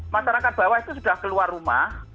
masyarakat bawah itu sudah keluar rumah